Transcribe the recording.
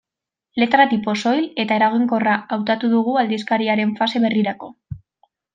Letra-tipo soil eta eraginkorra hautatu dugu aldizkariaren fase berrirako.